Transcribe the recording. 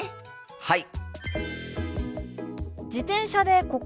はい！